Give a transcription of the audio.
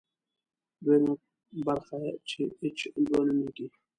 دویمه برخه چې اېچ دوه نومېږي.